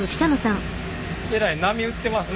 えらい波打ってますね。